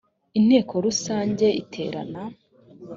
inteko rusange iterana